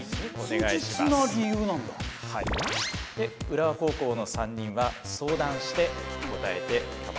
浦和高校の３人は相談して答えて構いません。